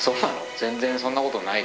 全然そんなことないけど。